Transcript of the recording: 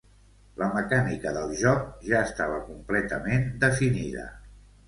La mecànica del joc ja estava completament definida.